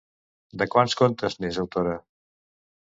De quants contes n'és autora?